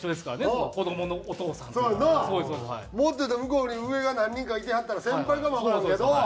もっと言うと向こうに上が何人かいてはったら先輩かもわからんけど。